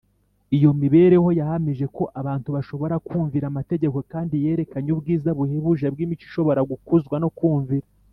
iyo mibereho yahamije ko abantu bashobora kumvira amategeko, kandi yerekanye ubwiza buhebuje bw’imico ishobora gukuzwa no kumvira